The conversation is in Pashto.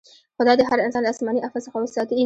خدای دې هر انسان له اسماني افت څخه وساتي.